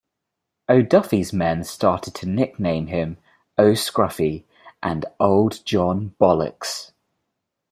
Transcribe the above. O'Duffy's men started to nickname him "O'Scruffy" and "Old John Bollocks".